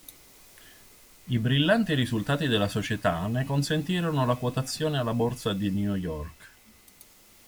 I brillanti risultati della società ne consentirono la quotazione alla borsa di New York.